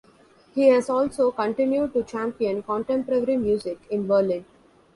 He has also continued to champion contemporary music in Berlin.